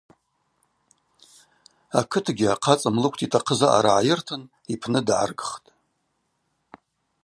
Акытгьи ахъацӏа млыквта йтахъыз аъара гӏайыртын йпны дгӏаргхтӏ.